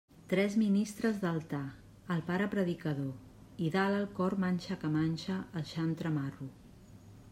Tres ministres d'altar, el pare predicador, i dalt al cor manxa que manxa el xantre Marro.